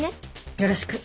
よろしく。